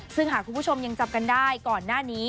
ซึ่งหากคุณผู้ชมยังจำกันได้ก่อนหน้านี้